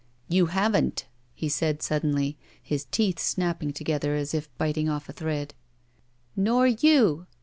"You haven't," he said, suddenly, his teeth snapping together as if biting ofif a thread. "Nor you!"